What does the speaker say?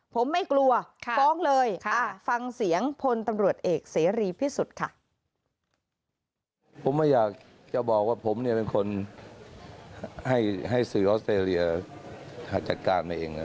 ผมไม่กลัวฟ้องเลยฟังเสียงพลตำรวจเอกเสรีพิสุทธิ์ค่ะ